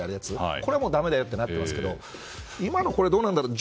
これもだめだよとなっていますけど今のこれはどうなんだろう。